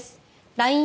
ＬＩＮＥ